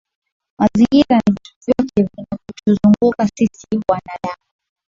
Mazingira ni vitu vyote vinavyotuzunguka sisi wanadamu